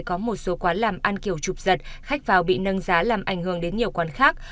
có một số quán làm ăn kiểu trục giật khách vào bị nâng giá làm ảnh hưởng đến nhiều quán khác